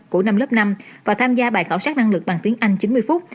của năm lớp năm và tham gia bài khảo sát năng lực bằng tiếng anh chín mươi phút